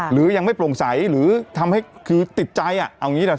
หรือยังไม่โปร่งใสหรือก็ยังติดใจอ่ะเอาอย่างงี้เนี่ย